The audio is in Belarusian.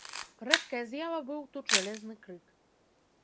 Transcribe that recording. Рэдкая з'ява быў тут жалезны крык.